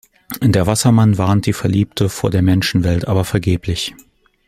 Der Wassermann warnt die Verliebte vor der Menschenwelt, aber vergeblich.